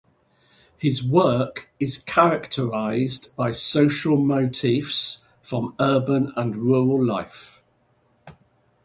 His work is characterized by social motifs from urban and rural life.